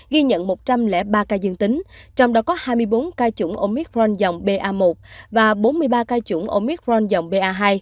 ghi nhận một trăm linh ba ca dương tính trong đó có hai mươi bốn ca chủng omicron dòng ba và bốn mươi ba ca chủng omic ron dòng ba hai